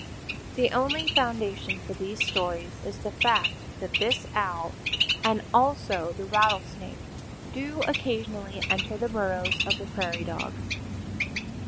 The only foundation for these stories is the fact that this Owl and also the rattlesnake do occasionally enter the burrows of the prairie dog.